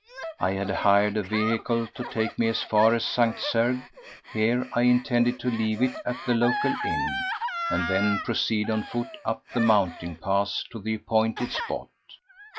I had hired a vehicle to take me as far as St. Cergues; here I intended to leave it at the local inn, and then proceed on foot up the mountain pass to the appointed spot.